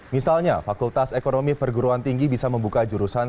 misalnya fakultas ekonomi perguruan tinggi bisa membuka jurusan